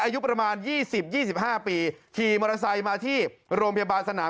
อายุประมาณ๒๐๒๕ปีขี่มอเตอร์ไซค์มาที่โรงพยาบาลสนาม